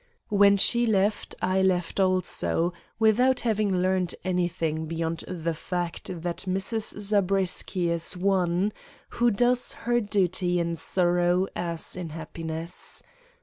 When she left, I left also, without having learned anything beyond the fact that Mrs. Zabriskie is one who does her duty in sorrow as in happiness.